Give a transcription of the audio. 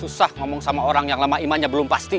susah ngomong sama orang yang lama imannya belum pasti